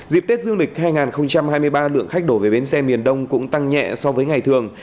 dịp tết dương lịch hai nghìn hai mươi ba lượng khách đổ về bến xe miền đông cũng tăng nhẹ so với ngày thường